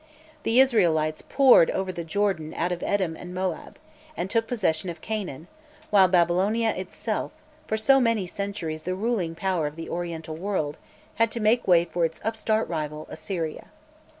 The Israelites poured over the Jordan out of Edom and Moab, and took possession of Canaan, while Babylonia itself, for so many centuries the ruling power of the Oriental world, had to make way for its upstart rival Assyria.